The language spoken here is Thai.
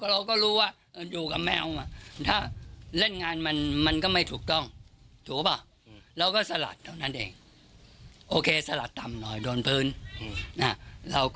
เราก็รู้ว่าอยู่กับแมว